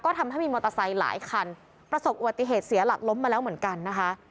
ทำให้มีมอเตอร์ไซค์หลายคันประสบอุบัติเหตุเสียหลักล้มมาแล้วเหมือนกันนะคะ